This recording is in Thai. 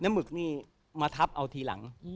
หมึกนี่มาทับเอาทีหลัง